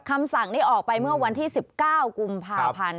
คำสั่งนี้ออกไปเมื่อวันที่๑๙กุมภาพันธ์